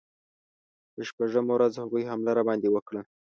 په شپږمه ورځ هغوی حمله راباندې وکړه.